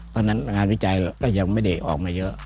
เพราะฉะนั้นงานวิจัยก็ยังไม่ได้ออกมาเยอะ